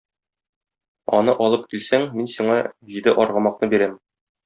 Аны алып килсәң, мин сиңа җиде аргамакны бирәм.